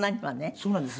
そうなんです。